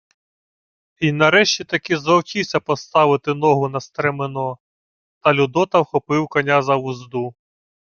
Й нарешті-таки зловчився поставити ногу на стремено. Та Людота вхопив коня за вузду.